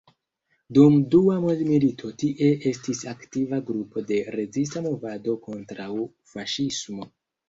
Dum dua mondmilito tie estis aktiva grupo de rezista movado kontraŭ faŝismo.